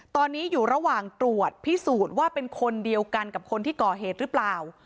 ตอนนี้อยู่ระหว่างตรวจพิสูจน์ว่าเป็นคนเดียวกันกับคนที่ก่อเหตุหรือเปล่า